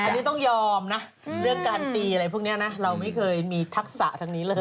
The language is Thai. อันนี้ต้องยอมนะเรื่องการตีอะไรพวกนี้นะเราไม่เคยมีทักษะทางนี้เลย